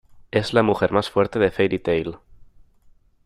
Es la mujer más fuerte de Fairy Tail.